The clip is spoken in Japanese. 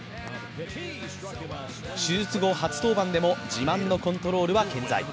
手術後初登板でも自慢のコントロールは健在。